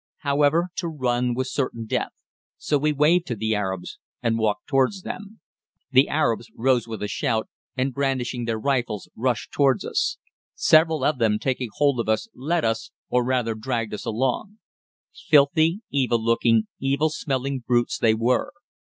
However, to run was certain death, so we waved to the Arabs and walked towards them. The Arabs rose with a shout, and brandishing their rifles rushed towards us. Several of them taking hold of us led us or rather dragged us along. Filthy, evil looking, evil smelling brutes they were.